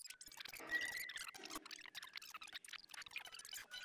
Bez tohoto značení nemůže existovat obchod.